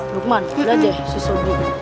dukman lihat ya si sudi